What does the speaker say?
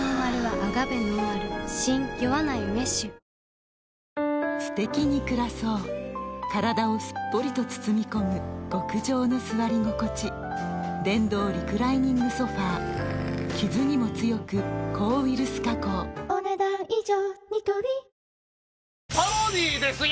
わかるぞすてきに暮らそう体をすっぽりと包み込む極上の座り心地電動リクライニングソファ傷にも強く抗ウイルス加工お、ねだん以上。